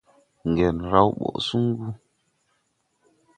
Ŋgel raw ɓɔʼ suŋgu.